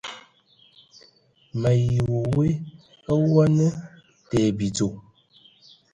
Me ayi wa we awu a na te ai bidzo !